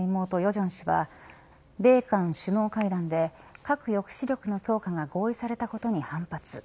正氏は米韓首脳会談で核抑止力の強化が合意されたことに反発。